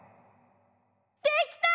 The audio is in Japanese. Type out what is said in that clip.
できた！